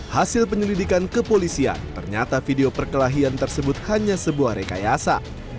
hasil penyelidikan kepolisian ternyata video perkelahian tersebut hanya sebuah rekayasa